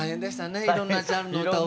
いろんなジャンルの歌を覚えて。